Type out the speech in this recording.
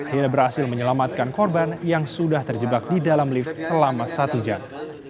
hingga berhasil menyelamatkan korban yang sudah terjebak di dalam lift selama satu jam